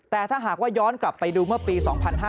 แต่ถ้าหากว่าย้อนกลับไปดูเมื่อปี๒๕๕๙